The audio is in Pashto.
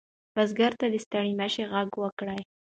بزګر ته د ستړي مشي غږ وکړئ.